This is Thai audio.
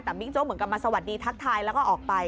แต่บิ๊กโจ๊กเหมือนกับมาสวัสดีทักทายแล้วก็ออกไป